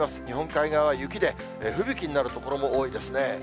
日本海側は雪で、吹雪になる所も多いですね。